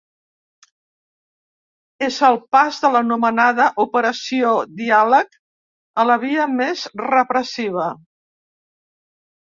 És el pas de l’anomenada ‘operació diàleg’ a la via més repressiva.